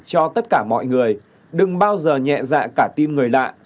cho tất cả mọi người đừng bao giờ nhẹ dạ cả tin người lạ